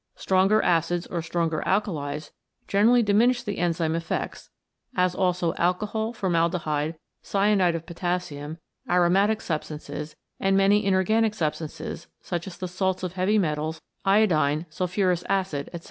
Stronger acids or stronger alkalis generally diminish the enzyme effects as also alcohol, formaldehyde, cyanide of potassium, aromatic substances, and many inorganic substances, such as the salts of heavy metals, iodine, sulphurous acid, etc.